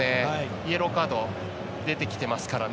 イエローカード出てきてますからね。